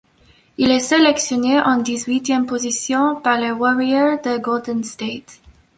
Il est sélectionné en dix-huitième position par les Warriors de Golden State.